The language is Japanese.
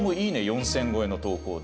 ４０００超えの投稿で。